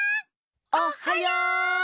おっはよ！